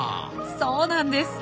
そうなんです。